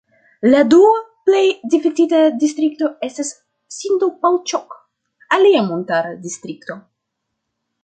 La dua plej difektita distrikto estas Sindupalĉok, alia montara distrikto.